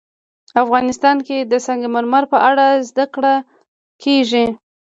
افغانستان کې د سنگ مرمر په اړه زده کړه کېږي.